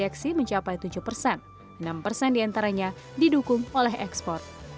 dieksi mencapai tujuh persen enam persen diantaranya didukung oleh ekspor